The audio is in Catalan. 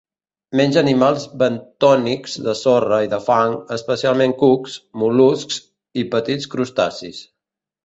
Menja animals bentònics de sorra i de fang, especialment cucs, mol·luscs i petits crustacis.